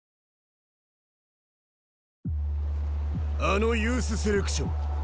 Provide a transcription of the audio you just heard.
あのユースセレクション